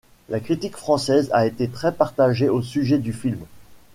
La critique française a été très partagée au sujet du film.